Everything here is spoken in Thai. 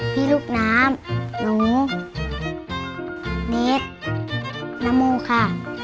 พี่ลูกน้ำหนูนิดนโมค่ะ